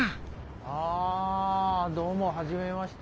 あどうもはじめまして。